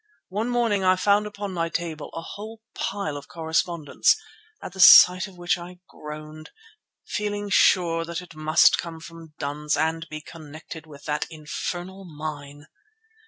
One morning I found upon my table a whole pile of correspondence, at the sight of which I groaned, feeling sure that it must come from duns and be connected with that infernal mine.